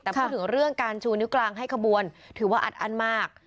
แต่พูดถึงเรื่องการชูนิ้วกลางให้ขบวนถือว่าอัดอั้นมาก